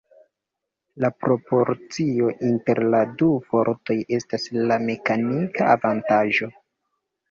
La proporcio inter la du fortoj estas la mekanika avantaĝo.